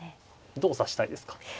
どう指したいですか？